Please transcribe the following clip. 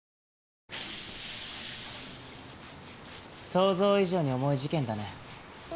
想像以上に重い事件だね。